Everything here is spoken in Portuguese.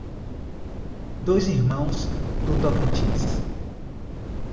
Dois Irmãos do Tocantins